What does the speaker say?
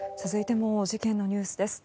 続いても事件のニュースです。